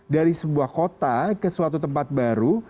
dari sebuah kota ke suatu tempat baru